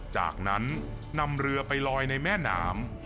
จากนั้นนำเรือไปลอยในแม่น้ำ